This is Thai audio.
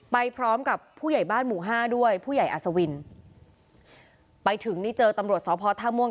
ไปพร้อมกับผู้ใหญ่บ้านหมู่ห้าด้วยผู้ใหญ่อัศวินไปถึงนี่เจอตำรวจสพท่าม่วง